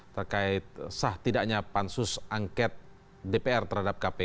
terkait sah tidaknya pansus angket dpr terhadap kpk